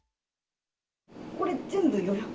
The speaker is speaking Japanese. これ、全部予約？